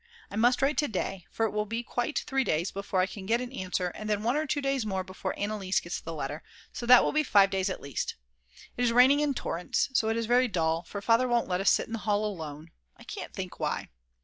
I must write to day, for it will be quite three days before I can get an answer, and then 1 or two days more before Anneliese gets the letter, so that will be 5 days at least. It is raining in torrents, so it is very dull, for Father won't let us sit in the hall alone; I can't think why.